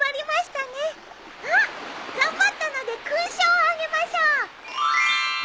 あっ頑張ったので勲章をあげましょう。